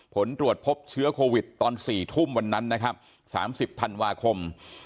ผลตรวจพบเชื้อโควิดตอน๔ทุ่มวันนั้นนะครับ๓๐ธันวาคม